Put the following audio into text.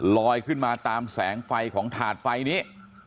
ลอยขึ้นมาตามแสงไฟของถาดไฟนี้